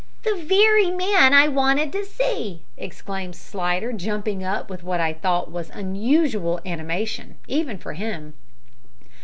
"The wery man I wanted to see," exclaimed Slidder, jumping up with what I thought unusual animation, even for him.